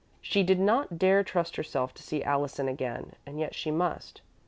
She did not dare trust herself to see Allison again, and yet she must.